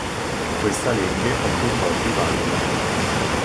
Questa legge è tutt'oggi valida.